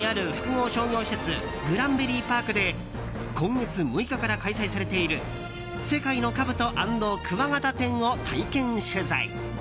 町田市にある複合商業施設グランベリーパークで今月６日から開催されている「世界のカブト＆クワガタ展」を体験取材。